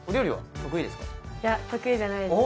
いや得意じゃないです。